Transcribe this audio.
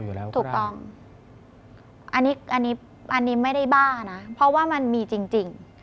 ถูกต้องอันนี้อันนี้ไม่ได้บ้านะเพราะว่ามันมีจริง